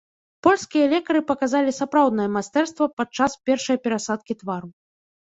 Польскія лекары паказалі сапраўднае майстэрства падчас першай перасадкі твару.